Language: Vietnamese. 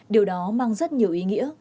điều đó mang rất nhiều ý nghĩa